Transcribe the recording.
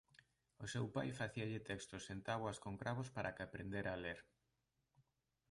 O seu pai facíalle textos en táboas con cravos para que aprenderá a ler.